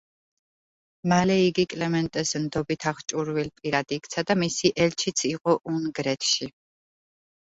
მალე იგი კლემენტეს ნდობით აღჭურვილ პირად იქცა და მისი ელჩიც იყო უნგრეთში.